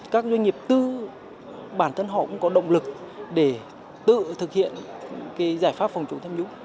các doanh nghiệp tư bản thân họ cũng có động lực để tự thực hiện cái giải pháp phòng chống tham nhũng